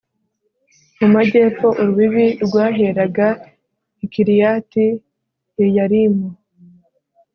mu majyepfo, urubibi rwaheraga i kiriyati yeyarimu